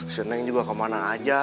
sini juga kemana aja